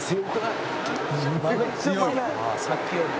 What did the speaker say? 「ああさっきより」